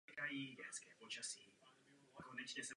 Jakou pomoc?